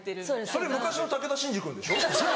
それ昔の武田真治君でしょ？